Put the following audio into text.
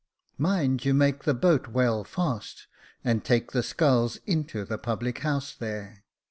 Mind you make the boat well fast, and take the sculls into the public house there.